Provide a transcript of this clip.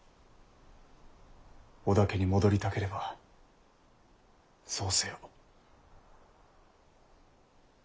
織田家に戻りたければそうせよ。